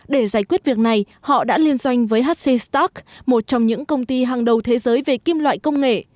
để giải quyết việc này họ đã liên doanh với hc stock một trong những công ty hàng đầu thế giới về kim loại công nghệ